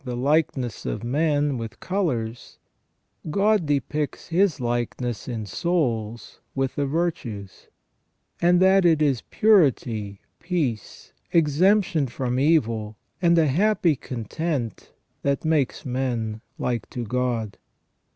63 the likeness of men with colours, God depicts His likeness in souls with the virtues ; and that it is purity, peace, exemption from evil, and a happy content that make men like to God.